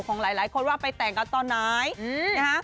ของหลายคนว่าไปแต่งกันตอนไหนนะคะ